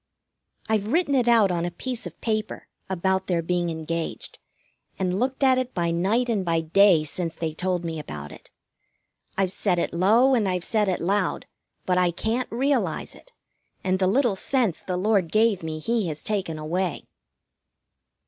I've written it out on a piece of paper, about their being engaged, and looked at it by night and by day since they told me about it. I've said it low, and I've said it loud, but I can't realize it, and the little sense the Lord gave me He has taken away.